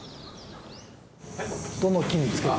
どの木に付けて。